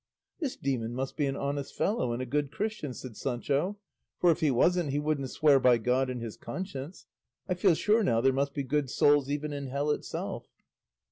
"This demon must be an honest fellow and a good Christian," said Sancho; "for if he wasn't he wouldn't swear by God and his conscience; I feel sure now there must be good souls even in hell itself."